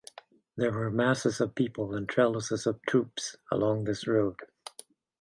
There were masses of people and trellises of troops along this road.